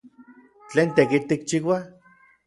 ¿Tlen tekitl tikchiua?